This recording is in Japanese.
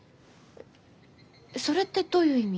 それってどういう意味？